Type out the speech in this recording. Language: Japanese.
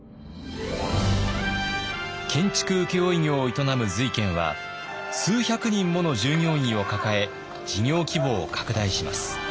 建築請負業を営む瑞賢は数百人もの従業員を抱え事業規模を拡大します。